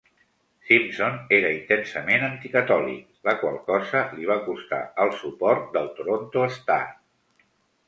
Simpson era intensament anticatòlic, la qual cosa li va costar el suport del "Toronto Star".